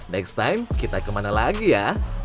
next time kita kemana lagi ya